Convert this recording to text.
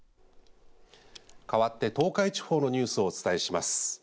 かわって東海地方のニュースをお伝えします。